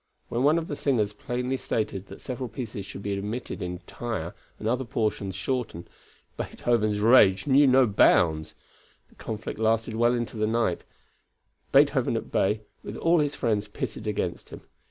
When one of the singers plainly stated that several pieces should be omitted entire and other portions shortened, Beethoven's rage knew no bounds. The conflict lasted well into the night, Beethoven at bay, with all his friends pitted against him.